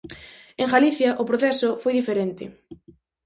En Galicia o proceso foi diferente.